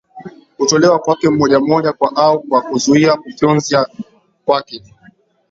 kutolewa kwake moja moja kwa au kwa kuzuia kufyonzwa kwake